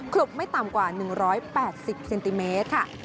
ลบไม่ต่ำกว่า๑๘๐เซนติเมตรค่ะ